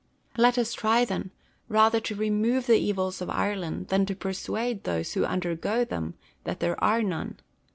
Let us try, then, rather to remove the evils of Ireland, than to persuade those who undergo them that there are none.